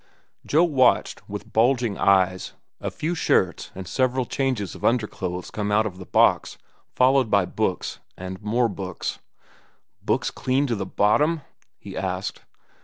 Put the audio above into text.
Joe watched, with bulging eyes, a few shirts and several changes of underclothes come out of the box, followed by books, and more books. "Books clean to the bottom?" he asked.